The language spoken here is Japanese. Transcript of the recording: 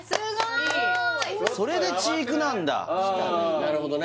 なるほどね